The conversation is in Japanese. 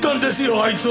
あいつは！